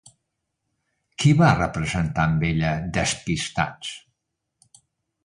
Qui va representar amb ella Despistats?